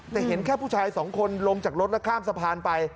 แต่เห็นแค่ผู้ชายสองคนลงจากรถแล้วข้ามสะพานไป